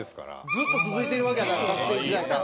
ずっと続いてるわけやから学生時代から。